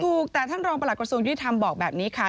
ถูกแต่ท่านรองประหลักกระทรวงยุทธรรมบอกแบบนี้ค่ะ